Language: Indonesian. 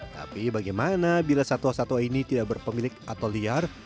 tapi bagaimana bila satwa satwa ini tidak berpemilik atau liar